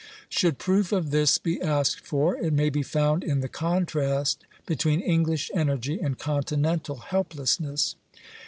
Should proof of this be asked for, it may be found in the contrast between English energy and Continental helplessness.